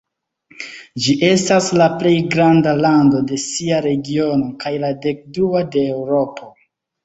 Ĝi estas la plej granda lando de sia regiono kaj la dekdua de Eŭropo.